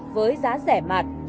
với giá rẻ mạt